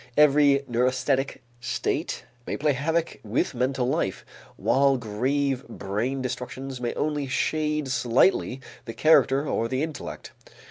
Every neurasthenic state may play havoc with mental life, while grave brain destructions may only shade slightly the character or the intellect.